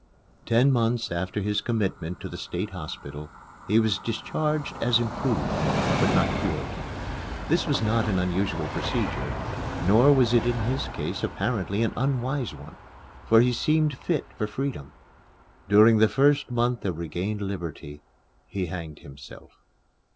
Ten months after his commitment to the State Hospital he was discharged as improved but not cured. This was not an unusual procedure; nor was it in his case apparently an unwise one, for he seemed fit for freedom. During the first month of regained liberty, he hanged himself.